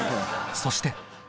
そして